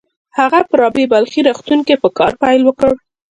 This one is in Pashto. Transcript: هغې په رابعه بلخي روغتون کې په کار پيل وکړ.